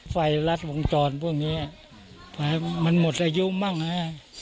รัดวงจรพวกนี้ไฟมันหมดอายุมั่งฮะ